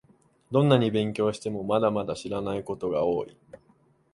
どんなに勉強しても、まだまだ知らないことが多い